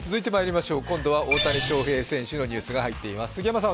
今度は大谷翔平選手のニュースが入っています。